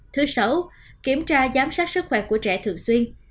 thứ sáu kiểm tra giám sát sức khỏe của trẻ thường xuyên